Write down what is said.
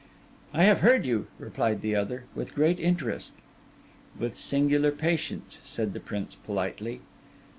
'I have heard you,' replied the other, 'with great interest.' 'With singular patience,' said the prince politely.